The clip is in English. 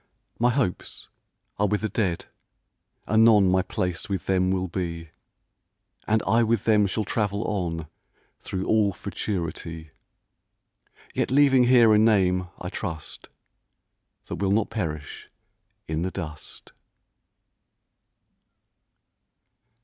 My hopes are with the Dead, anon My place with them will be, And I with them shall travel on Through all Futurity; Yet leaving here a name, I trust, That will not perish in the dust.